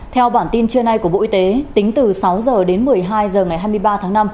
theo bản tin trưa nay của bộ y tế tính từ sáu h đến một mươi hai h ngày hai mươi ba tháng năm